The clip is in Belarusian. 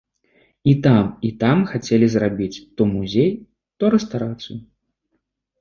І там, і там хацелі зрабіць то музей, то рэстарацыю.